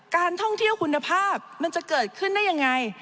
การท่องเที่ยวคุณภาพมันจะเกิดขึ้นได้ยังไง